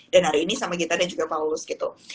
dan hari ini sama gita dan juga paulus gitu